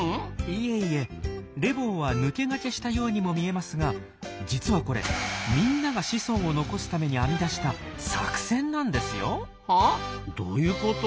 いえいえレボーは抜け駆けしたようにも見えますが実はこれみんなが子孫を残すために編み出した作戦なんですよ。はあ？どういうこと？